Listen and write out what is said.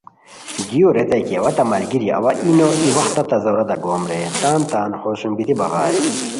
دیو ریتائے کی اوا تہ ملگیری اوا ای نو ای وختہ تہ ضرورتہ گوم رے تان تان ہوسوم بیتی بغائے